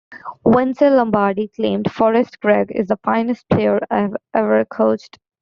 Vince Lombardi claimed Forrest Gregg is the finest player I ever coached!